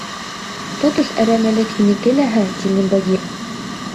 — Тотош әрәмәлек һинеке ләһә, — тине Багира.